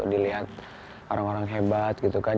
dilihat orang orang hebat gitu kan